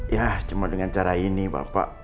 ya cuma dengan cara ini bapak